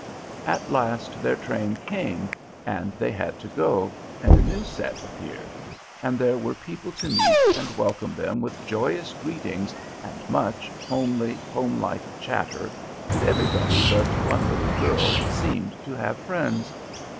At last their train came and they had to go, and a new set appeared; and there were people to meet and welcome them with joyous greetings and much homely, homelike chatter, and everybody but one little girl seemed to have friends.